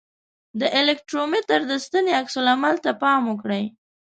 د الکترومتر د ستنې عکس العمل ته پام وکړئ.